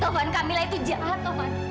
tuhan kamila itu jahat tuhan